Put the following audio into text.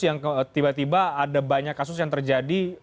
yang tiba tiba ada banyak kasus yang terjadi